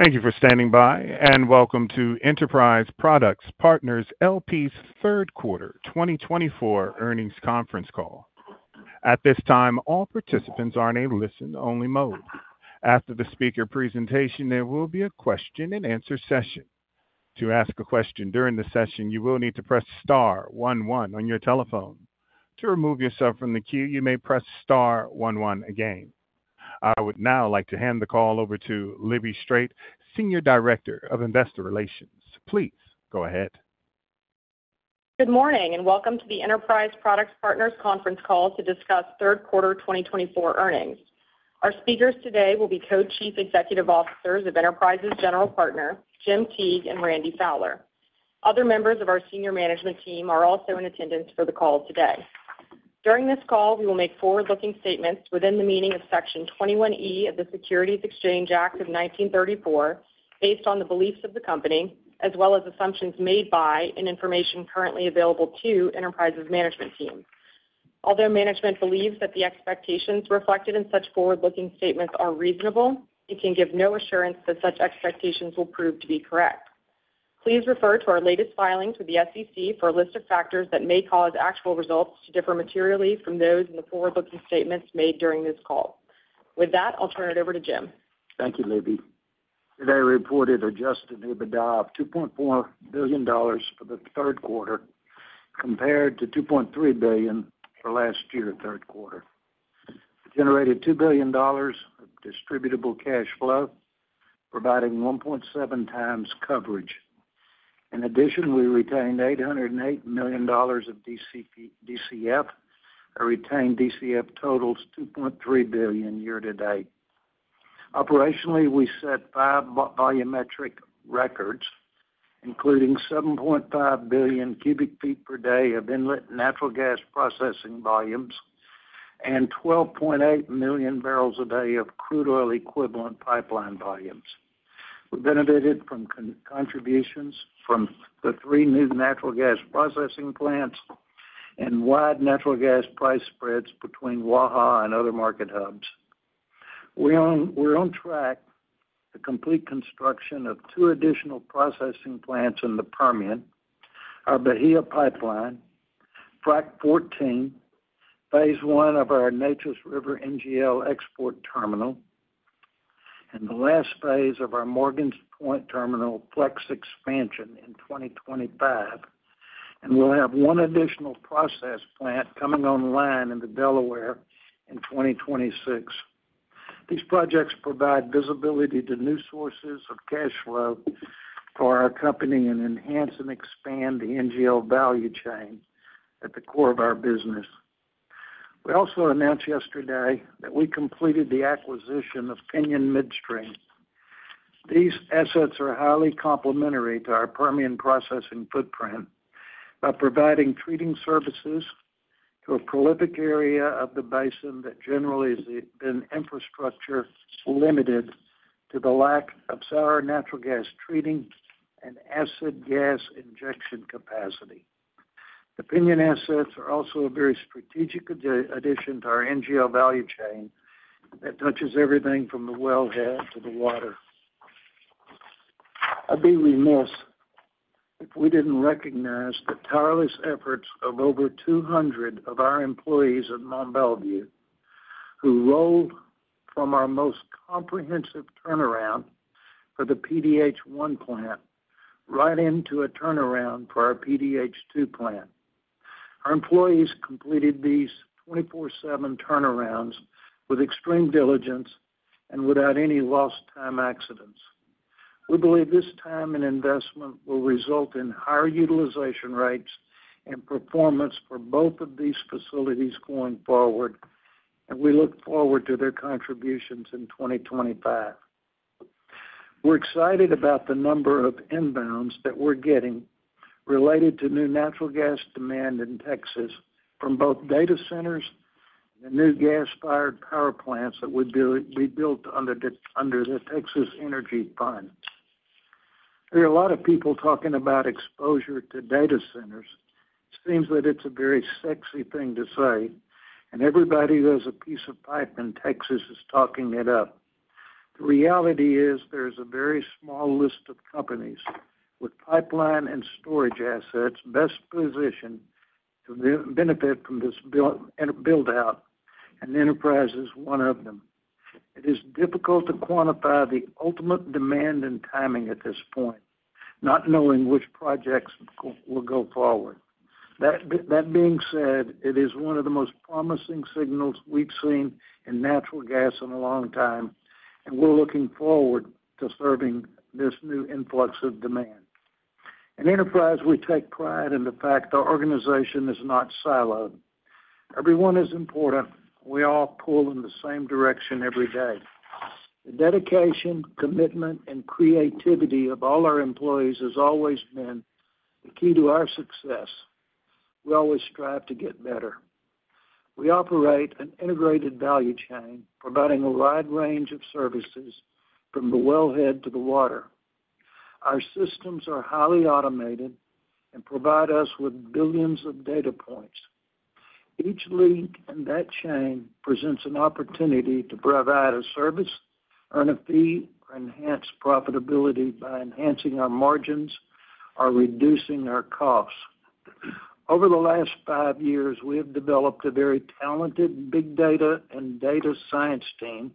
Thank you for standing by, and welcome to Enterprise Products Partners LP's Third Quarter 2024 Earnings Conference Call. At this time, all participants are in a listen-only mode. After the speaker presentation, there will be a question-and-answer session. To ask a question during the session, you will need to press star one one on your telephone. To remove yourself from the queue, you may press star one one again. I would now like to hand the call over to Libby Strait, Senior Director of Investor Relations. Please go ahead. Good morning, and welcome to the Enterprise Products Partners Conference Call to discuss Third Quarter 2024 earnings. Our speakers today will be Co-Chief Executive Officers of Enterprise's General Partner, Jim Teague, and Randy Fowler. Other members of our Senior Management Team are also in attendance for the call today. During this call, we will make forward-looking statements within the meaning of Section 21E of the Securities Exchange Act of 1934 based on the beliefs of the company, as well as assumptions made by and information currently available to Enterprise's management team. Although management believes that the expectations reflected in such forward-looking statements are reasonable, it can give no assurance that such expectations will prove to be correct. Please refer to our latest filings with the SEC for a list of factors that may cause actual results to differ materially from those in the forward-looking statements made during this call. With that, I'll turn it over to Jim. Thank you, Libby. Today, we reported Adjusted EBITDA of $2.4 billion for the third quarter compared to $2.3 billion for last year's third quarter. We generated $2 billion of Distributable Cash Flow, providing 1.7 times coverage. In addition, we retained $808 million of DCF. Our retained DCF totals $2.3 billion year to date. Operationally, we set five volumetric records, including 7.5 billion cubic feet per day of inlet natural gas processing volumes and 12.8 million barrels a day of crude oil equivalent pipeline volumes. We benefited from contributions from the three new natural gas processing plants and wide natural gas price spreads between Waha and other market hubs. We're on track to complete construction of two additional processing plants in the Permian, our Bahia Pipeline, Frac 14, phase one of our Neches River NGL export terminal, and the last phase of our Morgan's Point terminal flex expansion in 2025. We'll have one additional process plant coming online in Delaware in 2026. These projects provide visibility to new sources of cash flow for our company and enhance and expand the NGL value chain at the core of our business. We also announced yesterday that we completed the acquisition of Piñon Midstream. These assets are highly complementary to our Permian processing footprint by providing treating services to a prolific area of the basin that generally has been infrastructure limited to the lack of sour natural gas treating and acid gas injection capacity. The Piñon assets are also a very strategic addition to our NGL value chain that touches everything from the wellhead to the water. I'd be remiss if we didn't recognize the tireless efforts of over 200 of our employees at Mont Belvieu, who rolled from our most comprehensive turnaround for the PDH-1 plant right into a turnaround for our PDH-2 plant. Our employees completed these 24/7 turnarounds with extreme diligence and without any lost-time accidents. We believe this time and investment will result in higher utilization rates and performance for both of these facilities going forward, and we look forward to their contributions in 2025. We're excited about the number of inbounds that we're getting related to new natural gas demand in Texas from both data centers and the new gas-fired power plants that would be built under the Texas Energy Fund. There are a lot of people talking about exposure to data centers. It seems that it's a very sexy thing to say, and everybody who has a piece of pipe in Texas is talking it up. The reality is there is a very small list of companies with pipeline and storage assets best positioned to benefit from this buildout, and Enterprise is one of them. It is difficult to quantify the ultimate demand and timing at this point, not knowing which projects will go forward. That being said, it is one of the most promising signals we've seen in natural gas in a long time, and we're looking forward to serving this new influx of demand. At Enterprise, we take pride in the fact our organization is not siloed. Everyone is important. We all pull in the same direction every day. The dedication, commitment, and creativity of all our employees has always been the key to our success. We always strive to get better. We operate an integrated value chain, providing a wide range of services from the wellhead to the water. Our systems are highly automated and provide us with billions of data points. Each link in that chain presents an opportunity to provide a service, earn a fee, or enhance profitability by enhancing our margins or reducing our costs. Over the last five years, we have developed a very talented big data and data science team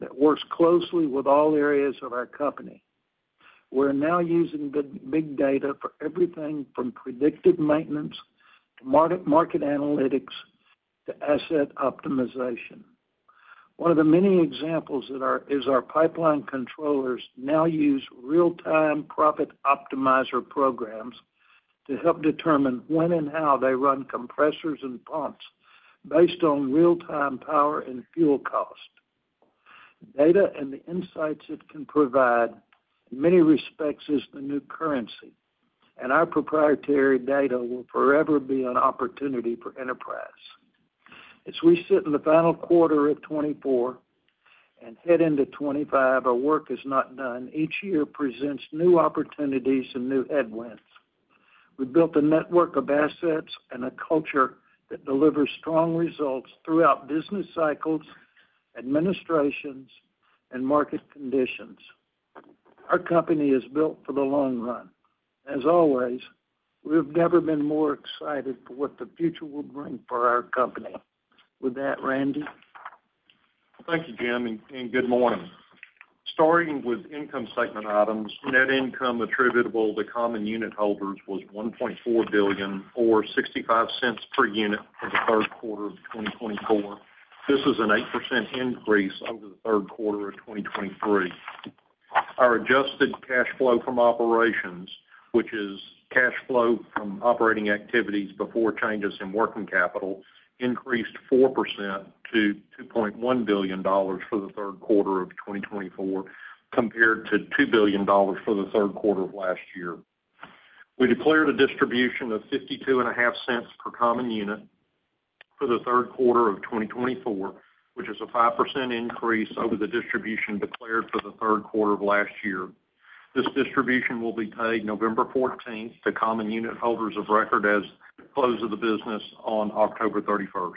that works closely with all areas of our company. We're now using big data for everything from predictive maintenance to market analytics to asset optimization. One of the many examples is our pipeline controllers now use real-time profit optimizer programs to help determine when and how they run compressors and pumps based on real-time power and fuel cost. Data and the insights it can provide in many respects is the new currency, and our proprietary data will forever be an opportunity for Enterprise. As we sit in the final quarter of 2024 and head into 2025, our work is not done. Each year presents new opportunities and new headwinds. We built a network of assets and a culture that delivers strong results throughout business cycles, administrations, and market conditions. Our company is built for the long run. As always, we have never been more excited for what the future will bring for our company. With that, Randy. Thank you, Jim. Good morning. Starting with income segment items, net income attributable to common unit holders was $1.4 billion, or $0.65 per unit for the third quarter of 2024. This is an 8% increase over the third quarter of 2023. Our Adjusted Cash Flow from Operations, which is cash flow from operating activities before changes in working capital, increased 4% to $2.1 billion for the third quarter of 2024 compared to $2 billion for the third quarter of last year. We declared a distribution of $0.525 per common unit for the third quarter of 2024, which is a 5% increase over the distribution declared for the third quarter of last year. This distribution will be paid November 14th to common unit holders of record as of the close of business on October 31st.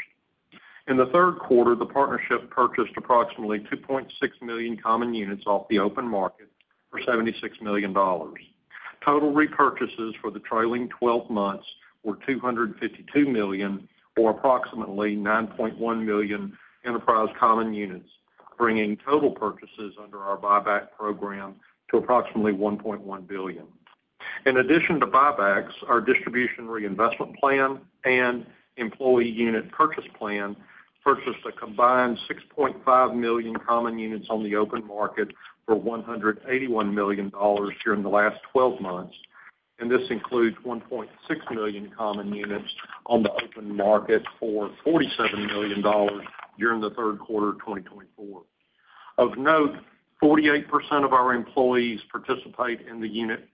In the third quarter, the partnership purchased approximately 2.6 million common units off the open market for $76 million. Total repurchases for the trailing 12 months were $252 million, or approximately 9.1 million Enterprise common units, bringing total purchases under our buyback program to approximately $1.1 billion. In addition to buybacks, our Distribution Reinvestment Plan and Employee Unit Purchase Plan purchased a combined 6.5 million common units on the open market for $181 million during the last 12 months. This includes 1.6 million common units on the open market for $47 million during the third quarter of 2024. Of note, 48% of our employees participate in the unit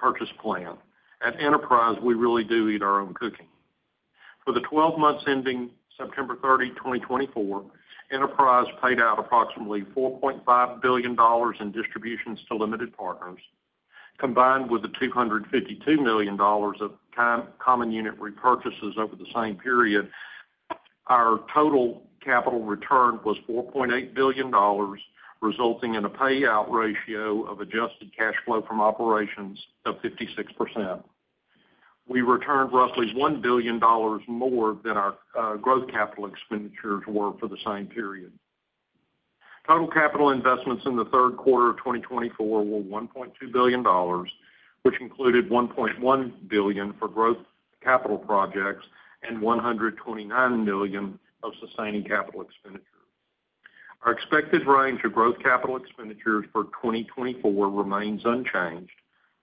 purchase plan. At Enterprise, we really do eat our own cooking. For the 12 months ending September 30th, 2024, Enterprise paid out approximately $4.5 billion in distributions to limited partners. Combined with the $252 million of common unit repurchases over the same period, our total capital return was $4.8 billion, resulting in a payout ratio of Adjusted Cash Flow from Operations of 56%. We returned roughly $1 billion more than our growth capital expenditures were for the same period. Total capital investments in the third quarter of 2024 were $1.2 billion, which included $1.1 billion for growth capital projects and $129 million of sustaining capital expenditures. Our expected range of growth capital expenditures for 2024 remains unchanged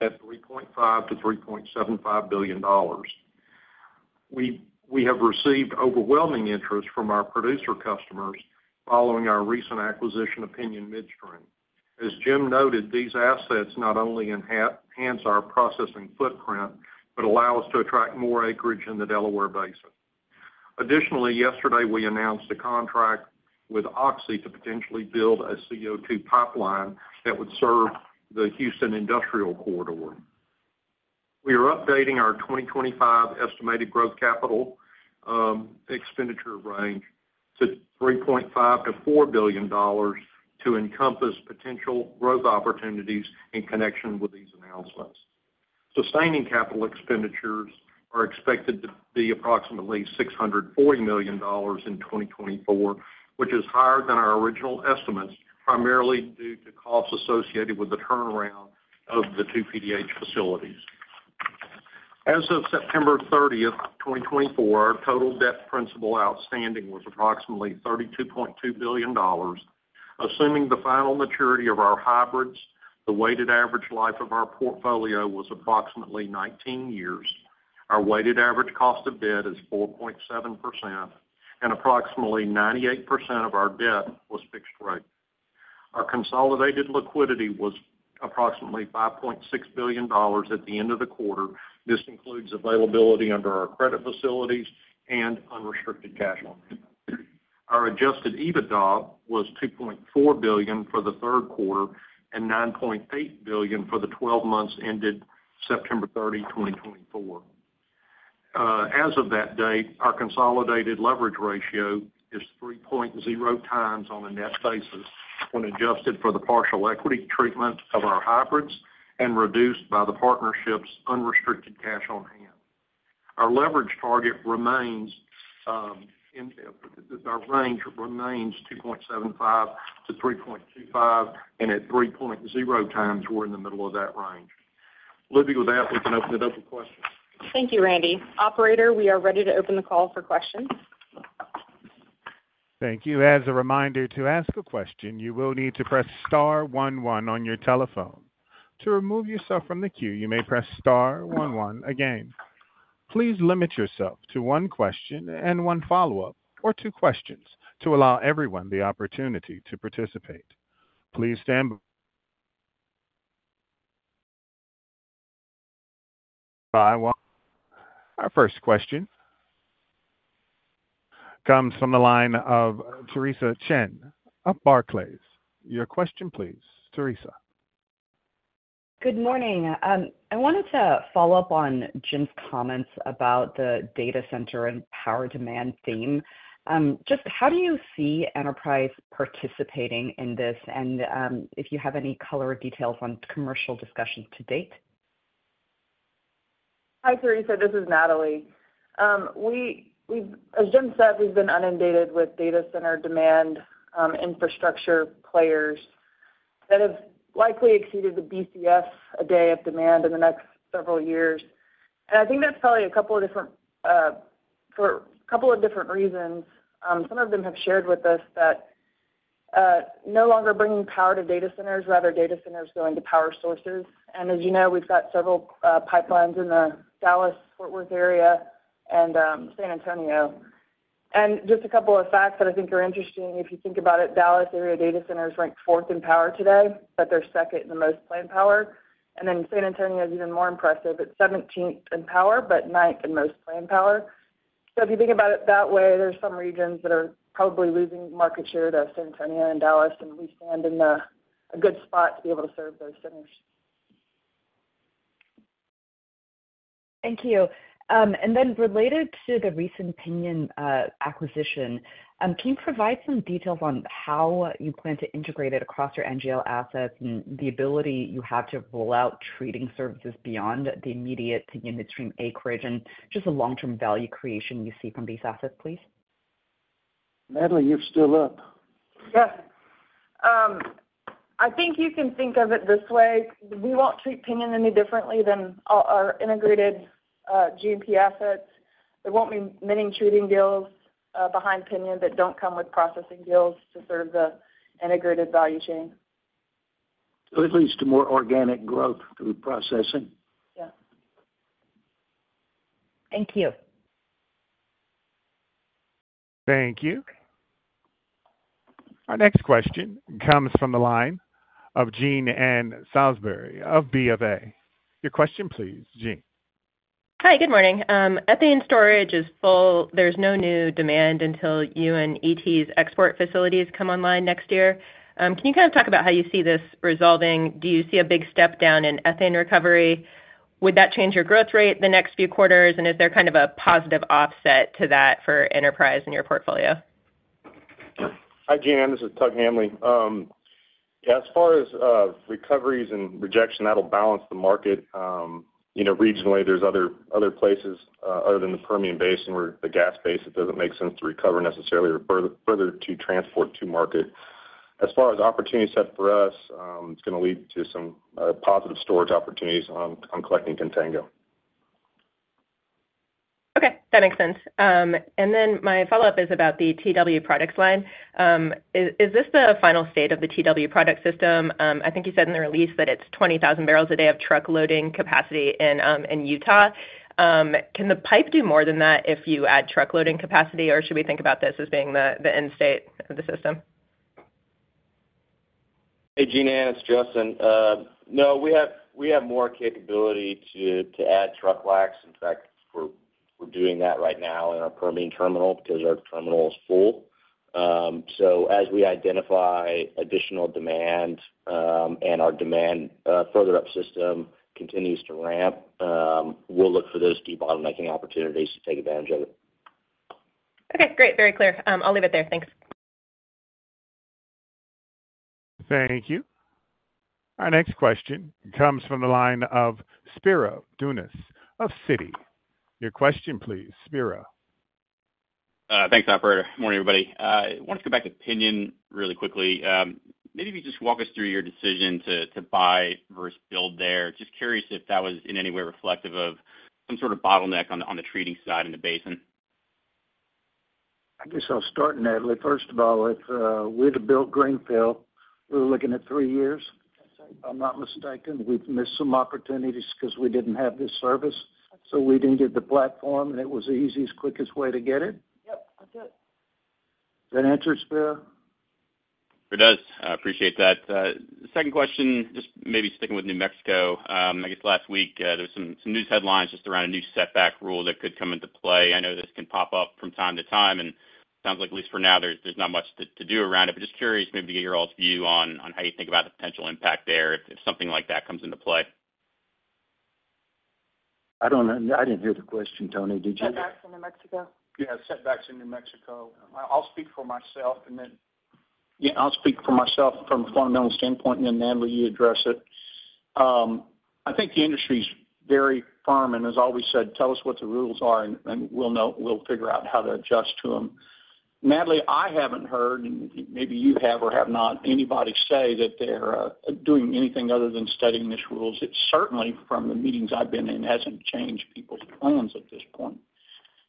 at $3.5 to $3.75 billion. We have received overwhelming interest from our producer customers following our recent acquisition of Piñon Midstream. As Jim noted, these assets not only enhance our processing footprint but allow us to attract more acreage in the Delaware Basin. Additionally, yesterday, we announced a contract with Oxy to potentially build a CO2 pipeline that would serve the Houston Industrial Corridor. We are updating our 2025 estimated growth capital expenditure range to $3.5-$4 billion to encompass potential growth opportunities in connection with these announcements. Sustaining capital expenditures are expected to be approximately $640 million in 2024, which is higher than our original estimates, primarily due to costs associated with the turnaround of the two PDH facilities. As of September 30th, 2024, our total debt principal outstanding was approximately $32.2 billion. Assuming the final maturity of our hybrids, the weighted average life of our portfolio was approximately 19 years. Our weighted average cost of debt is 4.7%, and approximately 98% of our debt was fixed rate. Our consolidated liquidity was approximately $5.6 billion at the end of the quarter. This includes availability under our credit facilities and unrestricted cash loans. Our Adjusted EBITDA was $2.4 billion for the third quarter and $9.8 billion for the 12 months ended September 30th, 2024. As of that date, our consolidated leverage ratio is 3.0 times on a net basis when adjusted for the partial equity treatment of our hybrids and reduced by the partnership's unrestricted cash on hand. Our leverage target remains our range 2.75-3.25, and at 3.0 times, we're in the middle of that range. Libby, with that, we can open it up for questions. Thank you, Randy. Operator, we are ready to open the call for questions. Thank you. As a reminder to ask a question, you will need to press star one one on your telephone. To remove yourself from the queue, you may press star one one again. Please limit yourself to one question and one follow-up or two questions to allow everyone the opportunity to participate. Please stand. Our first question comes from the line of Theresa Chen of Barclays. Your question, please, Teresa. Good morning. I wanted to follow up on Jim's comments about the data center and power demand theme. Just how do you see Enterprise participating in this and if you have any color details on commercial discussions to date? Hi, Teresa. This is Natalie. As Jim said, we've been inundated with data center demand infrastructure players that have likely exceeded the BCF a day of demand in the next several years. I think that's probably a couple of different reasons. Some of them have shared with us that no longer bringing power to data centers, rather data centers going to power sources. As you know, we've got several pipelines in the Dallas, Fort Worth area, and San Antonio. Just a couple of facts that I think are interesting. If you think about it, Dallas area data centers rank fourth in power today, but they're second in the most planned power. Then San Antonio is even more impressive. It's 17th in power, but ninth in most planned power. So if you think about it that way, there's some regions that are probably losing market share to San Antonio and Dallas, and we stand in a good spot to be able to serve those centers. Thank you. And then related to the recent Piñon acquisition, can you provide some details on how you plan to integrate it across your NGL assets and the ability you have to roll out treating services beyond the immediate Piñon midstream acreage and just the long-term value creation you see from these assets, please? Natalie, you're still up. Yes. I think you can think of it this way. We won't treat Piñon any differently than our integrated G&P assets. There won't be many treating deals behind Piñon that don't come with processing deals to serve the integrated value chain. At least more organic growth through processing. Yeah. Thank you. Thank you. Our next question comes from the line of Jean Ann Salisbury of Bank of America. Your question, please, Jean. Hi, good morning. Ethane storage is full. There's no new demand until Enterprise's export facilities come online next year. Can you kind of talk about how you see this resolving? Do you see a big step down in ethane recovery? Would that change your growth rate the next few quarters? And is there kind of a positive offset to that for Enterprise in your portfolio? Hi, Jean. This is Tug Hanley. As far as recoveries and rejection, that'll balance the market. Regionally, there's other places other than the Permian Basin where the gas base it doesn't make sense to recover necessarily or further to transport to market. As far as opportunities set for us, it's going to lead to some positive storage opportunities on collecting contango. Okay. That makes sense. And then my follow-up is about the TE Products line. Is this the final state of the TE Products system? I think you said in the release that it's 20,000 barrels a day of truck loading capacity in Utah. Can the pipe do more than that if you add truck loading capacity, or should we think about this as being the end state of the system? Hey, Jean Ann, it's Justin. No, we have more capability to add truck racks. In fact, we're doing that right now in our Permian terminal because our terminal is full. So as we identify additional demand and our demand further up system continues to ramp, we'll look for those de-bottlenecking opportunities to take advantage of it. Okay. Great. Very clear. I'll leave it there. Thanks. Thank you. Our next question comes from the line of Spiro Dounis of Citi. Your question, please, Spiro. Thanks, Operator. Morning, everybody. I want to come back to Piñon really quickly. Maybe if you just walk us through your decision to buy versus build there. Just curious if that was in any way reflective of some sort of bottleneck on the treating side in the basin. I guess I'll start, Natalie. First of all, we're to build greenfield. We're looking at three years, if I'm not mistaken. We've missed some opportunities because we didn't have this service. So we didn't get the platform, and it was the easiest, quickest way to get it. Yep. That's it. Does that answer it, Spiro? It does. I appreciate that. Second question, just maybe sticking with New Mexico. I guess last week, there were some news headlines just around a new setback rule that could come into play. I know this can pop up from time to time, and it sounds like, at least for now, there's not much to do around it. But just curious maybe to get your all's view on how you think about the potential impact there if something like that comes into play. I didn't hear the question, Tony. Did you? Setbacks in New Mexico. Yeah, setbacks in New Mexico. I'll speak for myself, and then. Yeah, I'll speak for myself from a fundamental standpoint, and then Natalie, you address it. I think the industry's very firm, and as always said, tell us what the rules are, and we'll figure out how to adjust to them. Natalie, I haven't heard, and maybe you have or have not, anybody say that they're doing anything other than studying these rules. It certainly, from the meetings I've been in, hasn't changed people's plans at this point.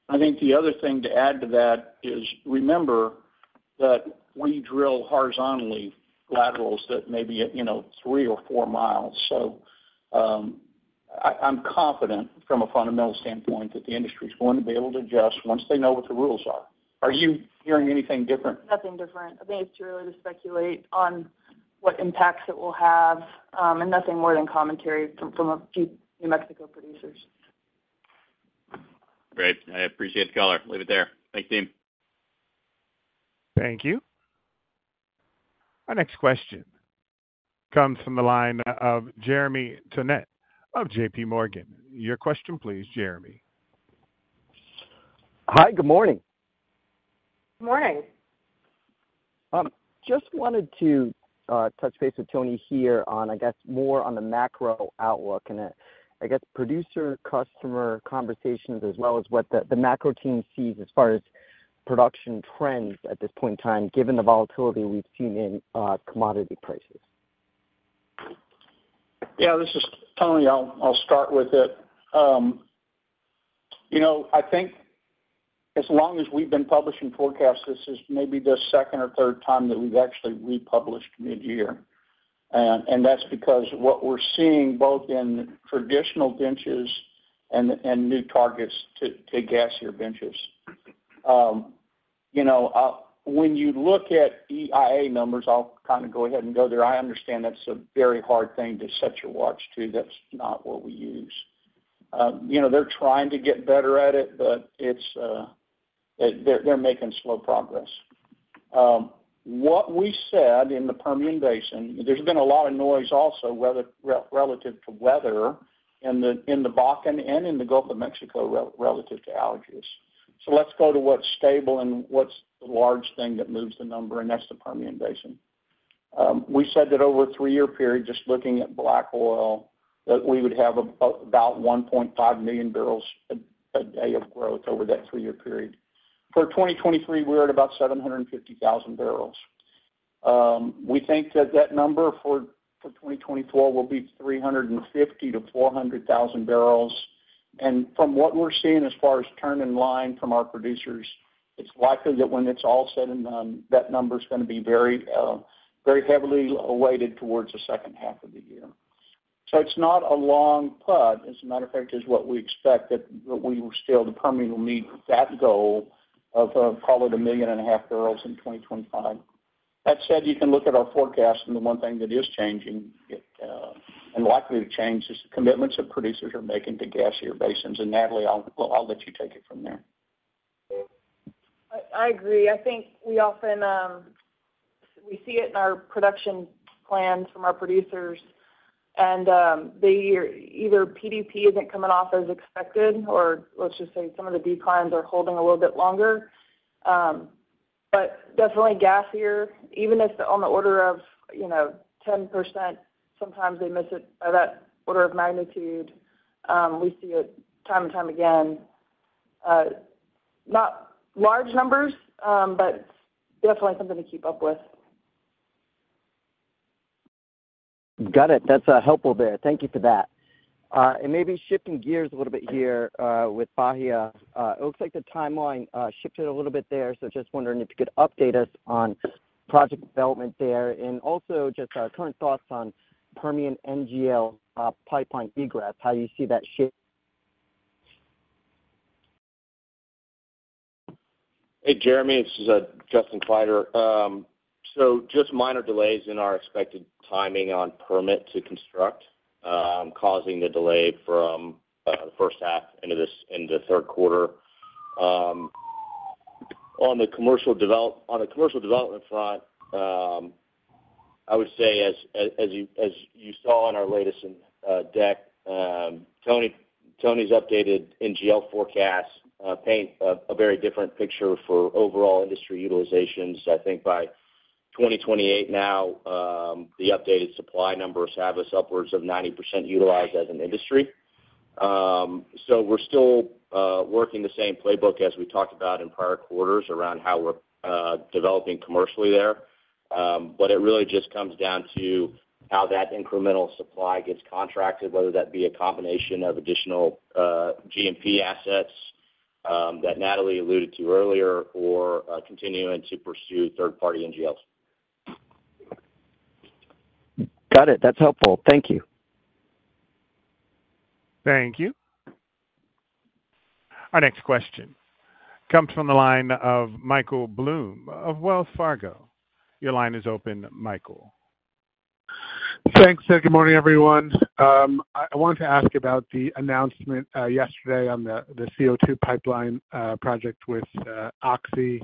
I think the other thing to add to that is remember that we drill horizontally laterals that may be three or four miles. So I'm confident from a fundamental standpoint that the industry's going to be able to adjust once they know what the rules are. Are you hearing anything different? Nothing different. I think it's too early to speculate on what impacts it will have, and nothing more than commentary from a few New Mexico producers. Great. I appreciate the color. Leave it there. Thank you, team. Thank you. Our next question comes from the line of Jeremy Tonet of J.P. Morgan. Your question, please, Jeremy. Hi, good morning. Good morning. Just wanted to touch base with Tony here on, I guess, more on the macro outlook and, I guess, producer-customer conversations as well as what the macro team sees as far as production trends at this point in time, given the volatility we've seen in commodity prices. Yeah, this is Tony. I'll start with it. I think as long as we've been publishing forecasts, this is maybe the second or third time that we've actually republished mid-year, and that's because what we're seeing both in traditional benches and newer targets to gassier benches. When you look at EIA numbers, I'll kind of go ahead and go there. I understand that's a very hard thing to set your watch to. That's not what we use. They're trying to get better at it, but they're making slow progress. What we said in the Permian Basin, there's been a lot of noise also relative to weather in the Bakken and in the Gulf of Mexico relative to hurricanes. So let's go to what's stable and what's the large thing that moves the number, and that's the Permian Basin. We said that over a three-year period, just looking at black oil, that we would have about 1.5 million barrels a day of growth over that three-year period. For 2023, we're at about 750,000 barrels. We think that that number for 2024 will be 350,000-400,000 barrels. From what we're seeing as far as turn-in line from our producers, it's likely that when it's all said and done, that number's going to be very heavily weighted towards the second half of the year. It's not a long putt, as a matter of fact, is what we expect, that we will still, the Permian, will meet that goal of probably a million and a half barrels in 2025. That said, you can look at our forecast, and the one thing that is changing and likely to change is the commitments that producers are making to gassier basins. Natalie, I'll let you take it from there. I agree. I think we see it in our production plans from our producers, and either PDP isn't coming off as expected, or let's just say some of the declines are holding a little bit longer. But definitely gassier, even if on the order of 10%, sometimes they miss it by that order of magnitude. We see it time and time again. Not large numbers, but definitely something to keep up with. Got it. That's helpful there. Thank you for that. And maybe shifting gears a little bit here with Bahia. It looks like the timeline shifted a little bit there, so just wondering if you could update us on project development there and also just our current thoughts on Permian NGL pipeline egress, how you see that shape. Hey, Jeremy. This is Justin Kleiderer. So just minor delays in our expected timing on permit to construct, causing the delay from the first half into the third quarter. On the commercial development front, I would say, as you saw in our latest deck, Tony's updated NGL forecast paints a very different picture for overall industry utilizations. I think by 2028 now, the updated supply numbers have us upwards of 90% utilized as an industry. So we're still working the same playbook as we talked about in prior quarters around how we're developing commercially there. But it really just comes down to how that incremental supply gets contracted, whether that be a combination of additional G&P assets that Natalie alluded to earlier or continuing to pursue third-party NGLs. Got it. That's helpful. Thank you. Thank you. Our next question comes from the line of Michael Blum of Wells Fargo. Your line is open, Michael. Thanks. Good morning, everyone. I wanted to ask about the announcement yesterday on the CO2 pipeline project with Oxy.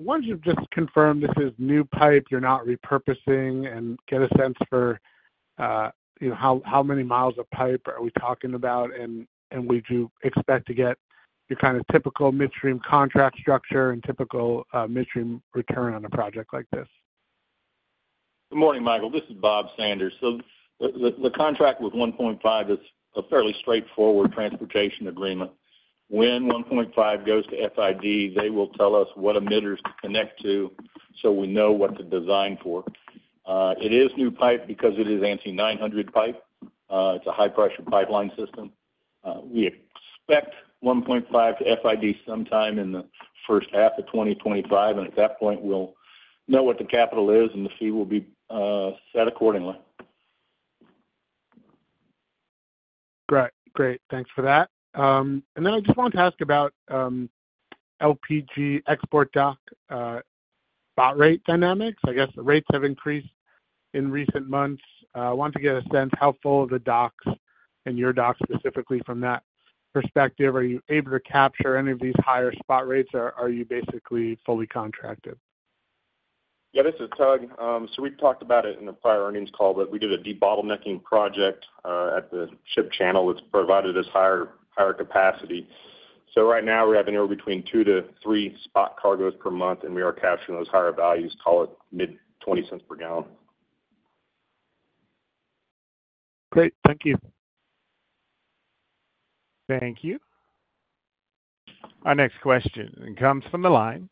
Once you've just confirmed this is new pipe, you're not repurposing, and get a sense for how many miles of pipe are we talking about, and would you expect to get your kind of typical midstream contract structure and typical midstream return on a project like this? Good morning, Michael. This is Bob Sanders. So the contract with 1.5 is a fairly straightforward transportation agreement. When 1.5 goes to FID, they will tell us what emitters to connect to so we know what to design for. It is new pipe because it is ANSI 900 pipe. It's a high-pressure pipeline system. We expect 1.5 to FID sometime in the first half of 2025, and at that point, we'll know what the capital is, and the fee will be set accordingly. Great. Great. Thanks for that. And then I just wanted to ask about LPG export dock spot rate dynamics. I guess the rates have increased in recent months. I wanted to get a sense how full the docks and your docks specifically from that perspective. Are you able to capture any of these higher spot rates, or are you basically fully contracted? Yeah, this is Tug. So we've talked about it in the prior earnings call, but we did a de-bottlenecking project at the Ship Channel that's provided us higher capacity. So right now, we're having anywhere between two to three spot cargoes per month, and we are capturing those higher values, call it mid-$0.20 per gallon. Great. Thank you. Thank you. Our next question comes from the line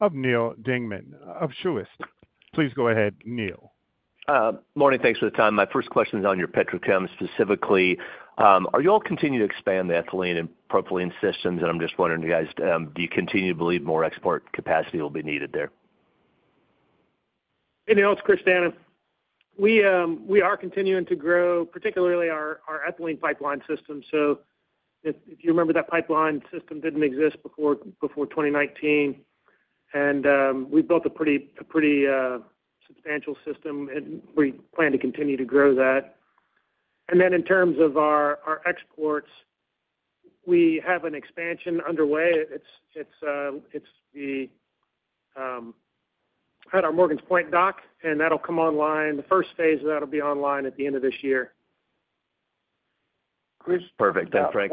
of Neal Dingmann of Truist Securities. Please go ahead, Neil. Morning. Thanks for the time. My first question is on your petrochem specifically. Are you all continuing to expand the ethylene and propylene systems? And I'm just wondering, do you continue to believe more export capacity will be needed there? Anything else, Chris D'Anna? We are continuing to grow, particularly our ethylene pipeline system, so if you remember, that pipeline system didn't exist before 2019, and we built a pretty substantial system, and we plan to continue to grow that and then in terms of our exports, we have an expansion underway. It's at our Morgan's Point dock, and that'll come online. The first phase of that will be online at the end of this year. Chris. Perfect. Thanks, Frank.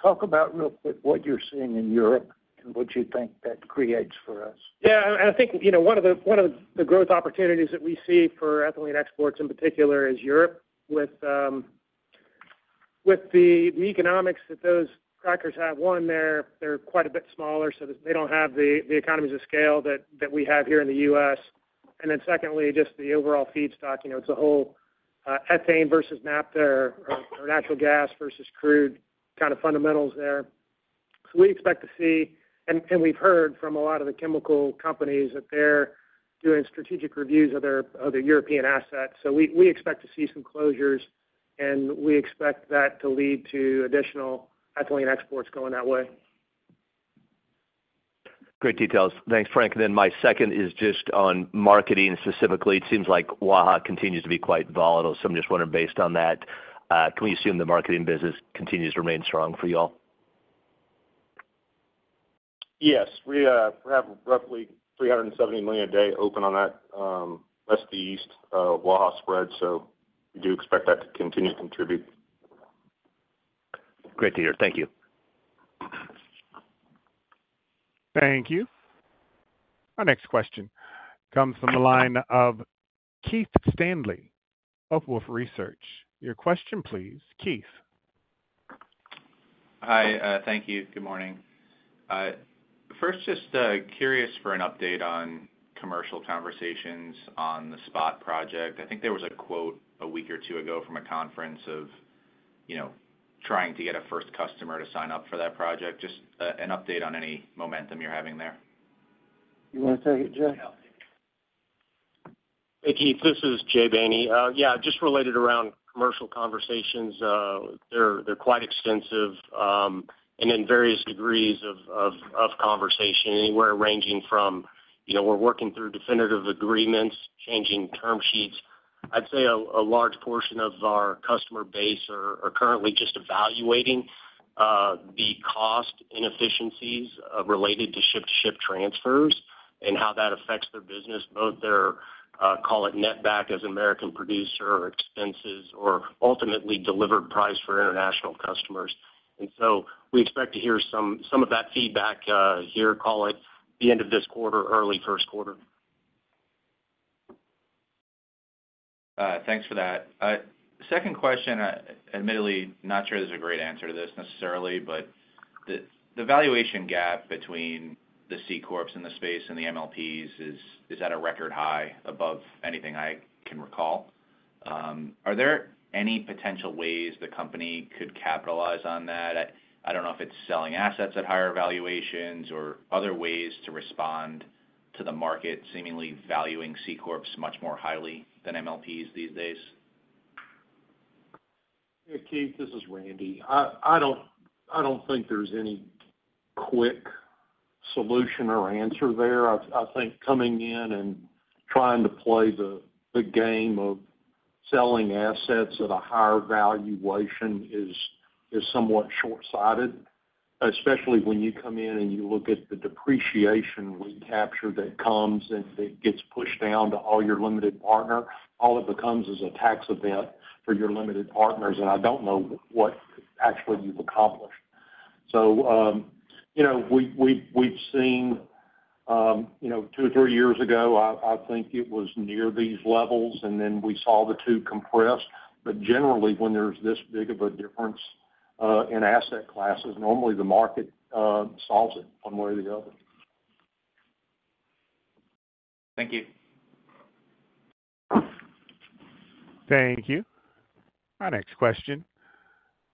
Talk about real quick what you're seeing in Europe and what you think that creates for us. Yeah. And I think one of the growth opportunities that we see for ethylene exports in particular is Europe. With the economics that those crackers have, one, they're quite a bit smaller, so they don't have the economies of scale that we have here in the U.S. And then secondly, just the overall feedstock. It's a whole ethane versus naphtha there, or natural gas versus crude kind of fundamentals there. So we expect to see, and we've heard from a lot of the chemical companies that they're doing strategic reviews of their European assets. So we expect to see some closures, and we expect that to lead to additional ethylene exports going that way. Great details. Thanks, Chris. And then my second is just on marketing specifically. It seems like Waha continues to be quite volatile, so I'm just wondering based on that, can we assume the marketing business continues to remain strong for you all? Yes. We have roughly 370 million a day open on that, west to east, Waha spread. So we do expect that to continue to contribute. Great to hear. Thank you. Thank you. Our next question comes from the line of Keith Stanley of Wolfe Research. Your question, please, Keith. Hi. Thank you. Good morning. First, just curious for an update on commercial conversations on the SPOT project. I think there was a quote a week or two ago from a conference of trying to get a first customer to sign up for that project. Just an update on any momentum you're having there. You want to take it, Jay? Hey, Keith. This is Jay Baney. Yeah, just related around commercial conversations. They're quite extensive and in various degrees of conversation, anywhere ranging from we're working through definitive agreements, changing term sheets. I'd say a large portion of our customer base are currently just evaluating the cost inefficiencies related to ship-to-ship transfers and how that affects their business, both their, call it, netback as an American producer expenses or ultimately delivered price for international customers. And so we expect to hear some of that feedback here, call it, the end of this quarter, early first quarter. Thanks for that. Second question, admittedly, not sure there's a great answer to this necessarily, but the valuation gap between the C corps in the space and the MLPs is at a record high above anything I can recall. Are there any potential ways the company could capitalize on that? I don't know if it's selling assets at higher valuations or other ways to respond to the market seemingly valuing C corps much more highly than MLPs these days. Hey, Keith. This is Randy. I don't think there's any quick solution or answer there. I think coming in and trying to play the game of selling assets at a higher valuation is somewhat short-sighted, especially when you come in and you look at the depreciation recapture that comes and it gets pushed down to all your limited partners. All it becomes is a tax event for your limited partners, and I don't know what actually you've accomplished. So we've seen two or three years ago, I think it was near these levels, and then we saw the spread compressed. But generally, when there's this big of a difference in asset classes, normally the market solves it one way or the other. Thank you. Thank you. Our next question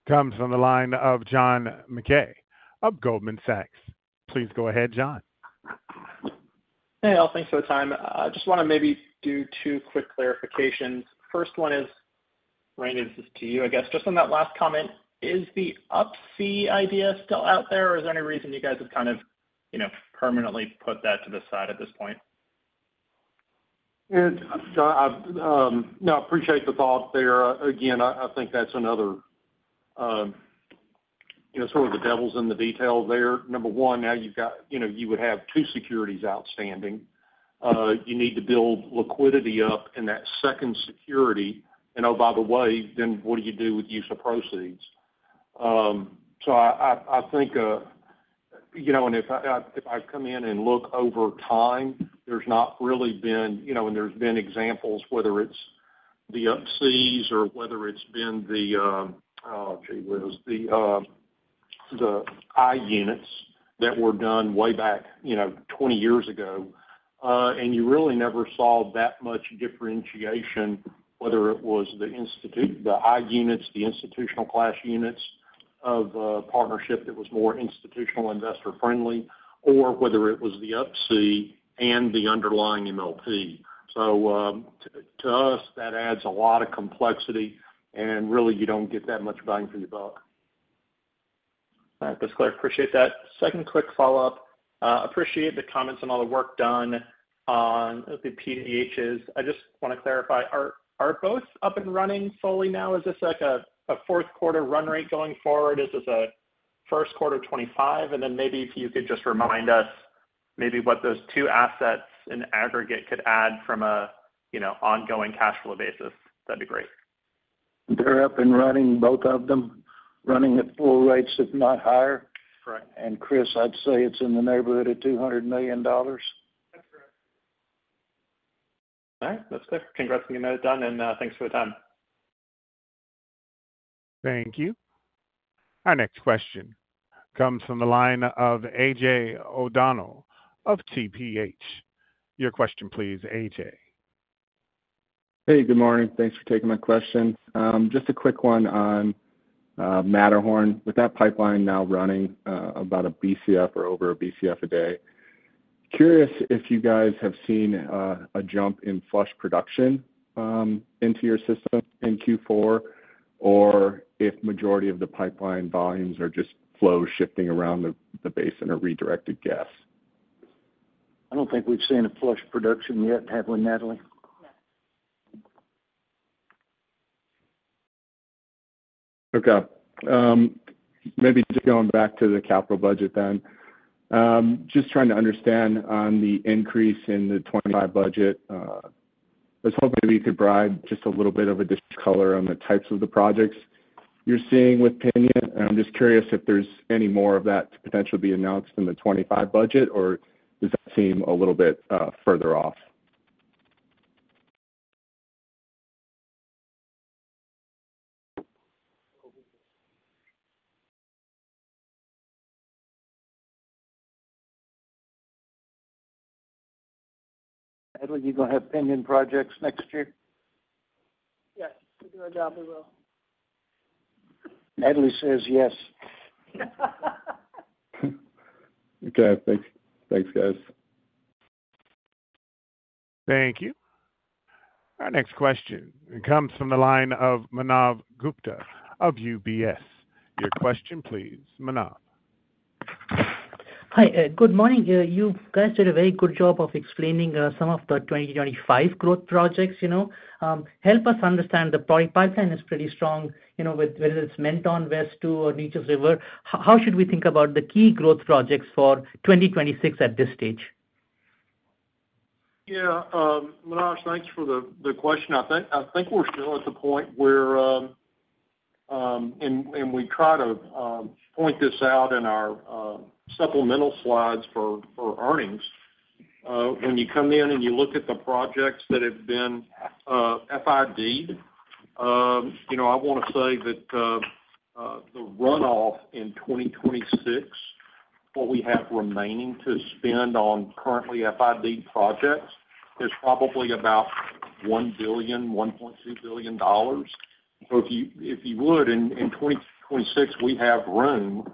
comes from the line of John Mackay of Goldman Sachs. Please go ahead, John. Hey, all. Thanks for the time. I just want to maybe do two quick clarifications. First one is, Randy, this is to you, I guess. Just on that last comment, is the Up-C idea still out there, or is there any reason you guys have kind of permanently put that to the side at this point? No, I appreciate the thought there. Again, I think that's another sort of the devil's in the detail there. Number one, now you would have two securities outstanding. You need to build liquidity up in that second security. And oh, by the way, then what do you do with use of proceeds? So I think, and if I come in and look over time, there's not really been and there's been examples, whether it's the Up-Cs or whether it's been the, oh, gee, where was the i-units that were done way back 20 years ago, and you really never saw that much differentiation, whether it was the i-units, the institutional class units of partnership that was more institutional investor-friendly, or whether it was the Up-C and the underlying MLP. So to us, that adds a lot of complexity, and really, you don't get that much bang for your buck. All right. That's clear. Appreciate that. Second quick follow-up. Appreciate the comments on all the work done on the PDHs. I just want to clarify. Are both up and running fully now? Is this a fourth quarter run rate going forward? Is this a first quarter 2025? And then maybe if you could just remind us maybe what those two assets in aggregate could add from an ongoing cash flow basis, that'd be great. They're up and running, both of them, running at full rates, if not higher, and Chris, I'd say it's in the neighborhood of $200 million. That's correct. All right. That's clear. Congrats on getting that done, and thanks for the time. Thank you. Our next question comes from the line of AJ O'Donnell of TPH. Your question, please, AJ. Hey, good morning. Thanks for taking my question. Just a quick one on Matterhorn. With that pipeline now running about a BCF or over a BCF a day, curious if you guys have seen a jump in flush production into your system in Q4, or if the majority of the pipeline volumes are just flow shifting around the basin or redirected gas? I don't think we've seen a flush production yet, have we, Natalie? No. Okay. Maybe just going back to the capital budget then, just trying to understand on the increase in the 2025 budget. I was hoping maybe you could provide just a little bit of color on the types of the projects you're seeing in the Permian. And I'm just curious if there's any more of that to potentially be announced in the 2025 budget, or does that seem a little bit further off? Natalie, you're going to have Piñon projects next year? Yes. We're doing our job, we will. Natalie says yes. Okay. Thanks. Thanks, guys. Thank you. Our next question comes from the line of Manav Gupta of UBS. Your question, please, Manav. Hi. Good morning. You guys did a very good job of explaining some of the 2025 growth projects. Help us understand the product pipeline is pretty strong with its Mentone West 2 or Neches River. How should we think about the key growth projects for 2026 at this stage? Yeah. Manav, thanks for the question. I think we're still at the point where, and we try to point this out in our supplemental slides for earnings, when you come in and you look at the projects that have been FID, I want to say that the runoff in 2026, what we have remaining to spend on currently FID projects, is probably about $1 billion to $1.2 billion. So if you would, in 2026, we have room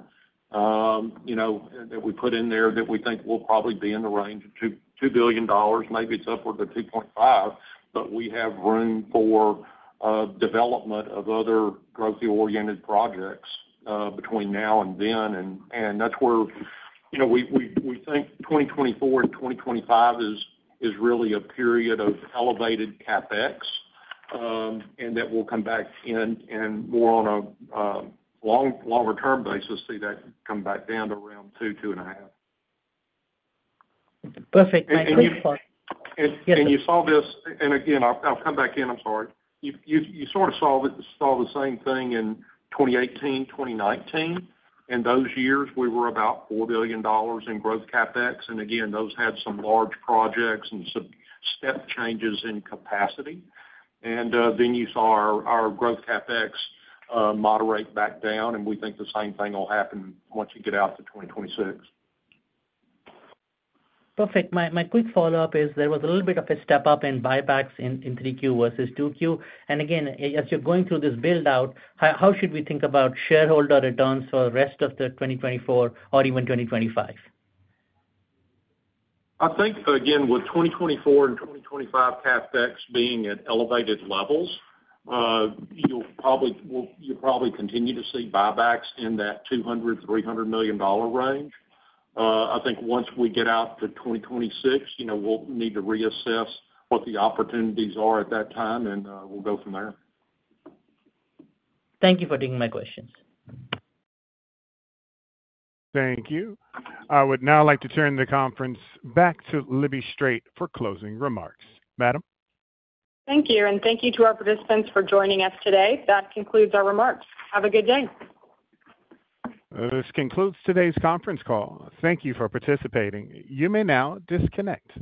that we put in there that we think will probably be in the range of $2 billion. Maybe it's upward of $2.5 billion, but we have room for development of other growth-oriented projects between now and then. And that's where we think 2024 and 2025 is really a period of elevated CapEx, and that will come back in more on a longer-term basis to see that come back down to around $2 billion to $2.5 billion. Perfect. Thank you. And you saw this, and again, I'll come back in. I'm sorry. You sort of saw the same thing in 2018, 2019. In those years, we were about $4 billion in growth CapEx. And again, those had some large projects and some step changes in capacity. And then you saw our growth CapEx moderate back down, and we think the same thing will happen once you get out to 2026. Perfect. My quick follow-up is there was a little bit of a step-up in buybacks in 3Q versus 2Q, and again, as you're going through this build-out, how should we think about shareholder returns for the rest of the 2024 or even 2025? I think, again, with 2024 and 2025 CapEx being at elevated levels, you'll probably continue to see buybacks in that $200-$300 million range. I think once we get out to 2026, we'll need to reassess what the opportunities are at that time, and we'll go from there. Thank you for taking my questions. Thank you. I would now like to turn the conference back to Libby Strait for closing remarks. Madam? Thank you. And thank you to our participants for joining us today. That concludes our remarks. Have a good day. This concludes today's conference call. Thank you for participating. You may now disconnect.